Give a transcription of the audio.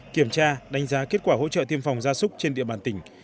kiểm tra đánh giá kết quả hỗ trợ tiêm phòng ra súc trên địa bàn tỉnh